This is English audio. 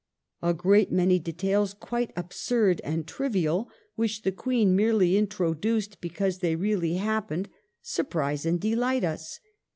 A great many details, quite absurd and trivial, which the Queen merely introduced because they really happened, surprise and delight us.